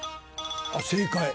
あっ正解。